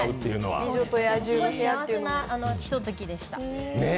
すごく幸せなひとときでした。